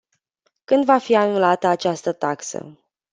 Când va fi anulată această taxă?